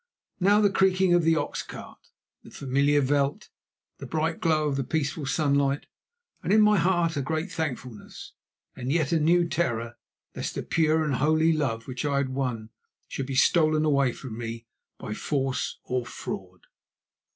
Now, the creaking of the ox cart, the familiar veld, the bright glow of the peaceful sunlight, and in my heart a great thankfulness, and yet a new terror lest the pure and holy love which I had won should be stolen away from me by force or fraud.